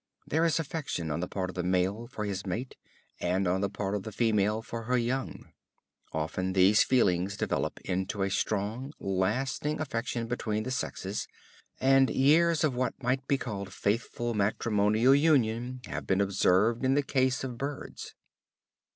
There is affection on the part of the male for his mate, and on the part of the female for her young. Often these feelings develop into a strong, lasting affection between the sexes, and years of what might be called faithful matrimonial union have been observed in the case of birds.